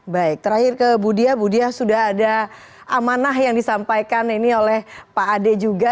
baik terakhir ke budi ya budi ya sudah ada amanah yang disampaikan ini oleh pak adeni juga